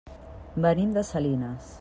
Venim de Salinas.